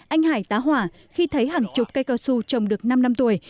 anh hải tá hỏa khi thấy hàng chục cây cao su trồng được năm năm tuổi